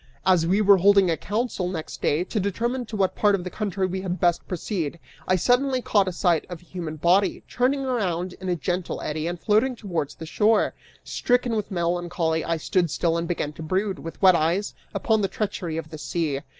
As we were holding a council, next day, to determine to what part of the country we had best proceed, I suddenly caught sight of a human body, turning around in a gentle eddy and floating towards the shore. Stricken with melancholy, I stood still and began to brood, with wet eyes, upon the treachery of the sea.